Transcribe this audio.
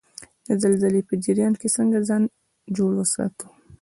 د زلزلې په جریان کې څنګه ځان جوړ وساتو؟